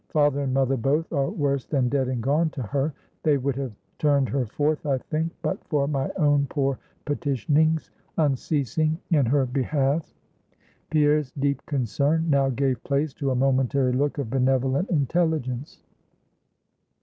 Father and mother both, are worse than dead and gone to her. They would have turned her forth, I think, but for my own poor petitionings, unceasing in her behalf!" Pierre's deep concern now gave place to a momentary look of benevolent intelligence.